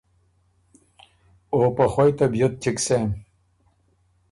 او په خوئ طبیعت چِګ سېم۔